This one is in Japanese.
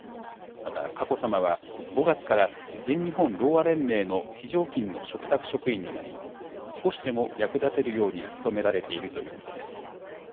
また、佳子さまは、５月から全日本ろうあ連盟の非常勤の嘱託職員になり、少しでも役立てるように努められているということです。